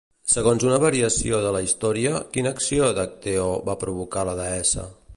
Segons una variació de la història, quina acció d'Acteó va provocar la deessa?